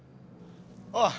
ああ。